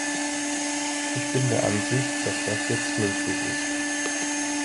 Ich bin der Ansicht, dass das jetzt möglich ist.